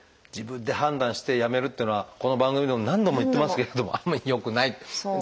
自分で判断してやめるっていうのはこの番組でも何度も言ってますけれどもあんまり良くない。